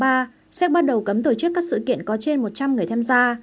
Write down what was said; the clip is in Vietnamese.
czech ban đầu cấm tổ chức các sự kiện có trên một trăm linh người tham gia